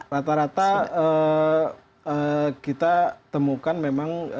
rata rata kita temukan memang